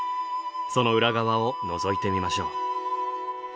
その裏側をのぞいてみましょう。